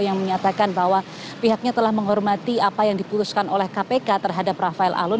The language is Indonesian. yang menyatakan bahwa pihaknya telah menghormati apa yang diputuskan oleh kpk terhadap rafael alun